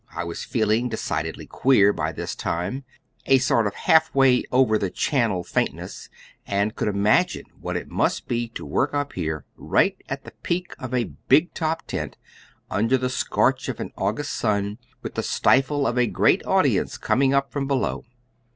I was feeling decidedly queer by this time a sort of half way over the Channel faintness, and could imagine what it must be to work up here, right at the peak of a "big top" tent, under the scorch of an August sun, with the stifle of a great audience coming up from below.